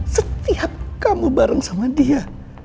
setiap kamu bareng sama dia